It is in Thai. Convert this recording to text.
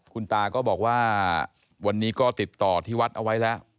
คุณตาก็บอกว่าวันนี้ก็ติดต่อที่วัดเอาไว้แล้ว